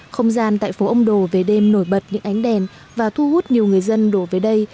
không gian tại phố ông đồ về đêm nổi bật những ánh đèn và thu hút nhiều người dân đổ về đây